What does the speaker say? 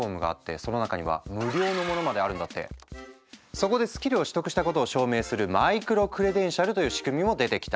そこでスキルを取得したことを証明するマイクロクレデンシャルという仕組みも出てきた。